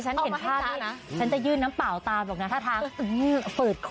ฉันเห็นภาพนี้ฉันจะยื่นน้ำเปล่าตามหรอกนะถ้าทาอื้อฝืดคอ